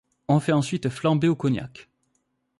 On fait ensuite flamber au cognac.